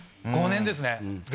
５年ですね？